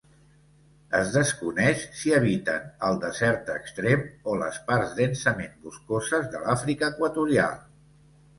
Es desconeix si habiten al desert extrem o les parts densament boscoses de l'Àfrica equatorial.